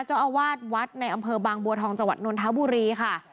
เจ้าอาวาสวัดในอำเภอบางบัวทองจังหวัดนนทบุรีค่ะ